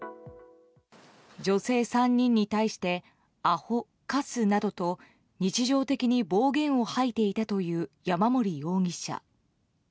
女性３人に対してアホ、カスなどと日常的に暴言を吐いていたという山森容疑者。